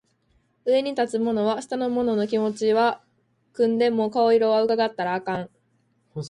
上に立つ者は下の者の気持ちは汲んでも顔色は窺ったらあかん